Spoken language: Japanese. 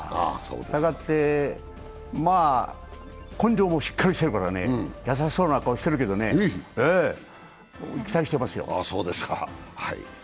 したがって、根性もしっかりしているから、優しそうな顔してるけどね、期待してますよ。